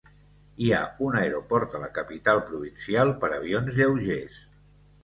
Hi ha un aeroport a la capital provincial per avions lleugers.